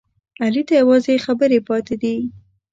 علي ته یوازې خبرې پاتې دي.